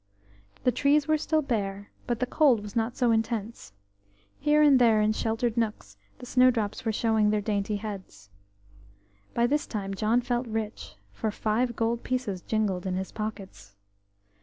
The trees were still bare, but the cold was not so intense; here and there in sheltered nooks the snowdrops were showing their dainty heads. By this time John felt rich, for five gold pieces jingled in his pockets.